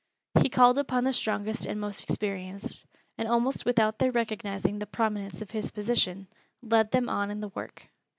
He called upon the strongest and most experienced, and almost without their recognizing the prominence of his position, led them on in the work.